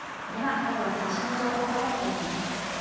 まずは最新の情報から見ていきます。